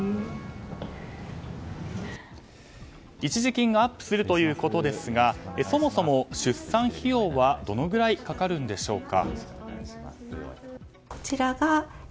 一時金がアップするということですがそもそも出産費用はどのくらいかかるのでしょうか。